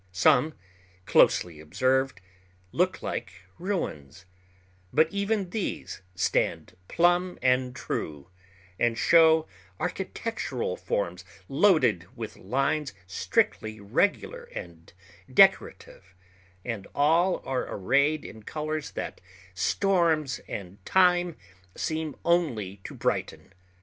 Some, closely observed, look like ruins; but even these stand plumb and true, and show architectural forms loaded with lines strictly regular and decorative, and all are arrayed in colors that storms and time seem only to brighten.